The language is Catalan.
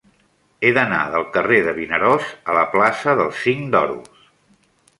He d'anar del carrer de Vinaròs a la plaça del Cinc d'Oros.